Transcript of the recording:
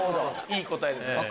いい答えですね。